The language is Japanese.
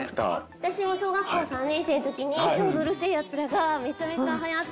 私も小学校３年生の時にちょうど『うる星やつら』がめちゃめちゃはやった。